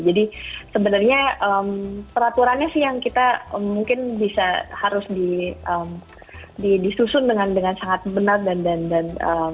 jadi sebenarnya peraturannya sih yang kita mungkin bisa harus disusun dengan sangat benar dan